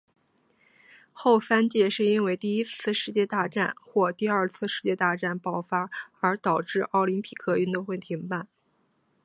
后三届是因为第一次世界大战或者第二次世界大战爆发而导致奥林匹克运动会停办。